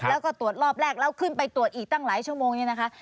แล้วก็ตรวจรอบแรกแล้วขึ้นไปตรวจอีกตั้งหลายชั่วโมงนี้นะคะ